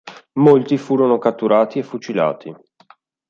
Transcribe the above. Molti furono catturati e fucilati.